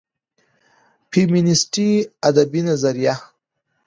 فيمينستى ادبى نظريه